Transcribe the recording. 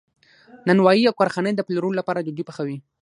نانوایی او کارخانې د پلورلو لپاره ډوډۍ پخوي.